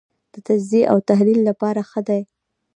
د تجزیې او تحلیل لپاره ښه دی.